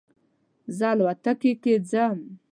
زه الوتکې کې ځم